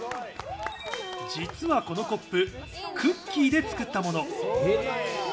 実はこのコップ、クッキーで作ったもの。